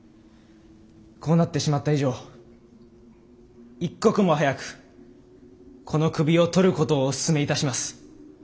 こうなってしまった以上一刻も早くこの首を取ることをお勧めいたします。